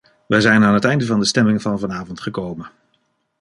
Wij zijn aan het einde van de stemming van vanavond gekomen.